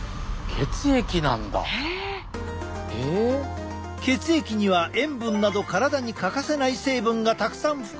血液には塩分など体に欠かせない成分がたくさん含まれている。